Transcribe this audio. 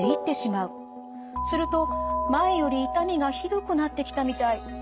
すると前より痛みがひどくなってきたみたい。